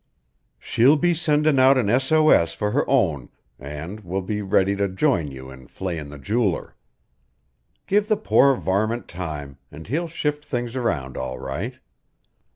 She'll be sendin' out an S. O. S. for her own an' will be ready to join you in flayin' the jeweler. Give the poor varmint time, an' he'll shift things round all right."